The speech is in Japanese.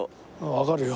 わかるよ。